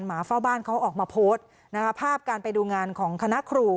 หมาเฝ้าบ้านเขาออกมาโพสต์นะคะภาพการไปดูงานของคณะครู